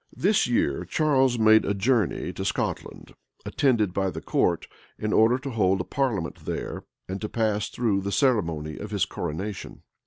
This year, Charles made a journey to Scotland, attended by the court, in order to hold a parliament there, and to pass through the ceremony of his coronation.